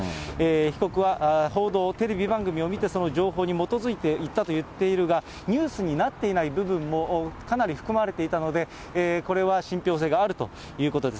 被告は報道テレビ番組を見て、その情報に基づいて言ったと言っているが、ニュースになっていない部分もかなり含まれていたので、これは信ぴょう性があるということです。